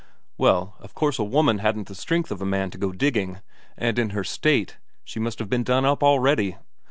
"Well, of course a woman hadn't the strength of a man to go digging. And in her state she must have been done up already.